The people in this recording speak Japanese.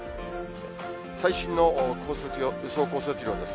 最新の予想降雪量ですね。